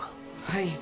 はい。